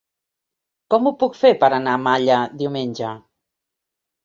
Com ho puc fer per anar a Malla diumenge?